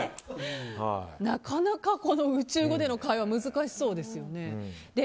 なかなか宇宙語での会話は難しそうですよね。